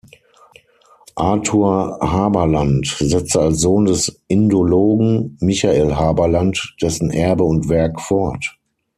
Arthur Haberlandt setzte als Sohn des Indologen Michael Haberlandt dessen Erbe und Werk fort.